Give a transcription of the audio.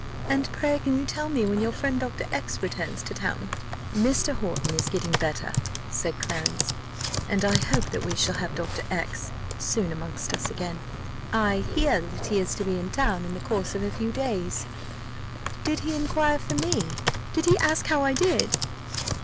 And pray can you tell me when your friend doctor X returns to town?" "Mr. Horton is getting better," said Clarence, "and I hope that we shall have Dr. X soon amongst us again. I hear that he is to be in town in the course of a few days." "Did he inquire for me? Did he ask how I did?"